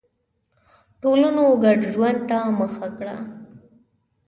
ټولنو ګډ ژوند ته مخه کړه.